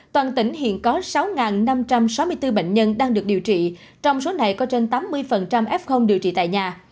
toàn tỉnh hiện có sáu năm trăm sáu mươi bốn bệnh nhân đang được điều trị trong số này có trên tám mươi f điều trị tại nhà